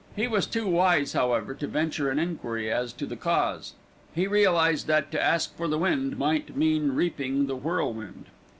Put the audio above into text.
He was too wise, however, to venture an enquiry as to the cause. He realised that to ask for the wind might mean reaping the whirlwind.